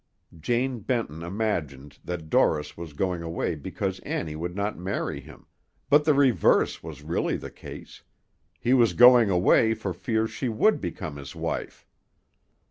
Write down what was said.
Jane Benton imagined that Dorris was going away because Annie would not marry him; but the reverse was really the case, he was going away for fear she would become his wife.